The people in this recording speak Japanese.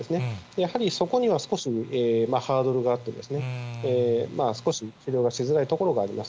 やはりそこには少しハードルがあってですね、少し治療がしづらいところがあります。